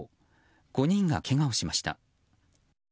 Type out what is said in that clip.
５人が、けがをしました。